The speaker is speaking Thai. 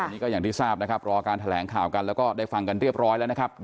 วันนี้ก็อย่างที่ทราบนะครับรอการแถลงข่าวกันแล้วก็ได้ฟังกันเรียบร้อยแล้วนะครับ